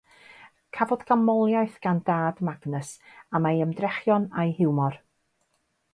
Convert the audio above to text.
Cafod ganmoliaeth gan dad Magnus am ei ymdrechion a'i hiwmor.